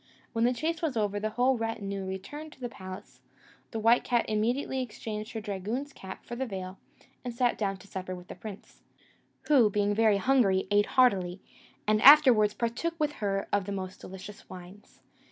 When the chase was over, the whole retinue returned to the palace; the white cat immediately exchanged her dragoon's cap for the veil, and sat down to supper with the prince, who, being very hungry, ate heartily, and afterwards partook with her of the most delicious wines.